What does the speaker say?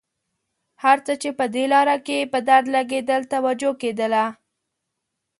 هر څه چې په دې لاره کې په درد لګېدل توجه کېدله.